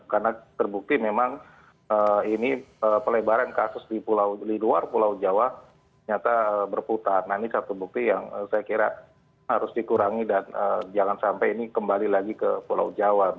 karena terbukti memang ini pelebaran kasus di luar pulau jawa ternyata berputar nah ini satu bukti yang saya kira harus dikurangi dan jangan sampai ini kembali lagi ke pulau jawa